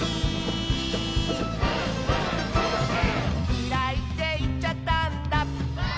「きらいっていっちゃったんだ」